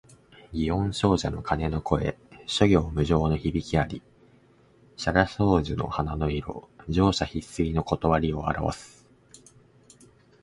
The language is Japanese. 祇園精舎の鐘の声、諸行無常の響きあり。沙羅双樹の花の色、盛者必衰の理をあらわす。